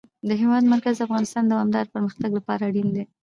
د هېواد مرکز د افغانستان د دوامداره پرمختګ لپاره اړین دي.